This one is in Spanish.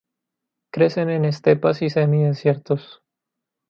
Crecen en estepas y semidesiertos.